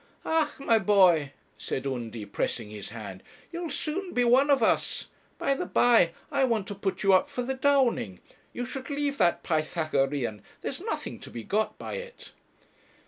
'Ah, my boy,' said Undy, pressing his hand, 'you'll soon be one of us. By the by, I want to put you up for the Downing; you should leave that Pythagorean: there's nothing to be got by it.'